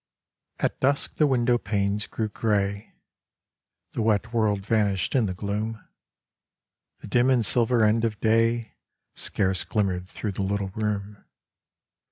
AT dusk the window panes grew grey ; The wet world vanished in the gloom ; The dim and silver end of day Scarce glimmered through the little room.